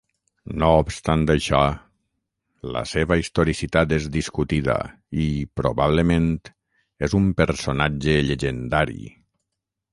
No obstant això, la seva historicitat és discutida i, probablement, és un personatge llegendari.